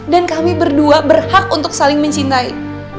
dan kami berdua berhak untuk saling mencintai